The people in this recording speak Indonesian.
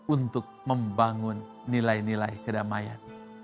untuk membangun nilai nilai kedamaian